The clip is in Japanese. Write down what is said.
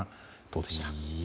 どうでした？